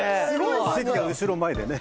席が後ろ前でね。